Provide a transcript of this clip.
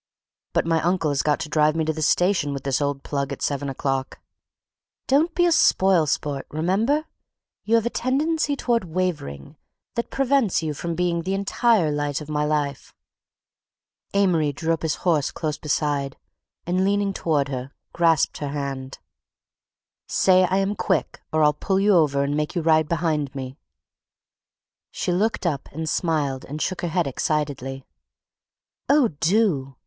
"But my uncle has got to drive me to the station with this old plug at seven o'clock." "Don't be a spoil sport—remember, you have a tendency toward wavering that prevents you from being the entire light of my life." Amory drew his horse up close beside, and, leaning toward her, grasped her hand. "Say I am—quick, or I'll pull you over and make you ride behind me." She looked up and smiled and shook her head excitedly. "Oh, do!